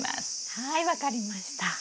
はい分かりました。